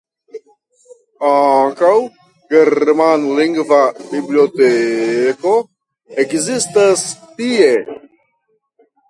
Ankaŭ germanlingva biblioteko ekzistas tie.